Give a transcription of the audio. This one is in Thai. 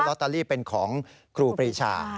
รอตาลีเป็นของครูปีชา